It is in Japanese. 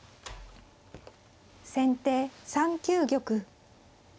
先手３九玉。